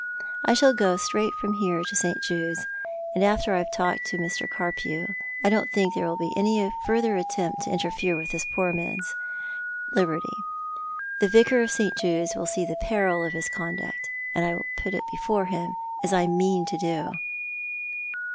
I shall go straight from here to St. Jude's, and after I have talked with Mr. Carpew I don't think there will bo any further attempt to interfere with this poor gentleman's liberty. The Yicar of St. Jude's will see the peril of his conduct, when I put it before him, as I mean to do."